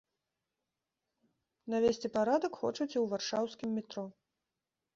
Навесці парадак хочуць і ў варшаўскім метро.